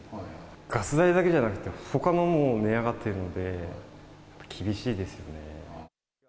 ガス代だけじゃなくて、ほかのものも値上がっているので、厳しいですよね。